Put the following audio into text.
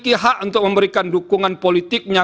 memiliki hak untuk memberikan dukungan politiknya